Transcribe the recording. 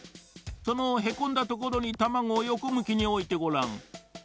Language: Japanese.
そのへこんだところにたまごをよこむきにおいてごらん。